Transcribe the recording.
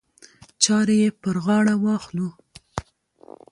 چارې یې پر غاړه واخلو.